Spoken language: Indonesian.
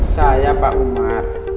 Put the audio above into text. saya pak umar